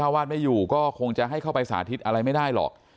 วาดไม่อยู่ก็คงจะให้เข้าไปสาธิตอะไรไม่ได้หรอก